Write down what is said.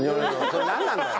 それなんなんだよ？